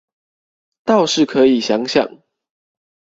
倒是可以想想